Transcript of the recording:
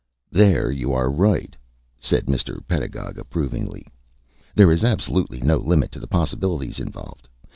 "There you are right," said Mr. Pedagog, approvingly. "There is absolutely no limit to the possibilities involved.